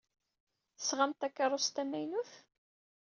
Tesɣam-d takeṛṛust tamaynut?